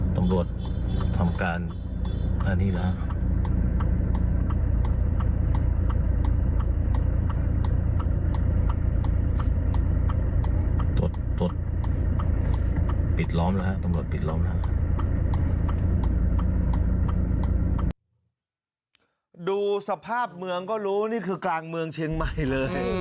ตรวจตรวจจอดติดล้อมนะครับตรวจติดล้อมนะดูสภาพเมืองก็รู้นี่คือกลางเมืองชนไหมเลย